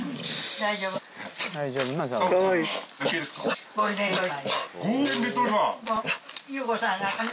大丈夫な。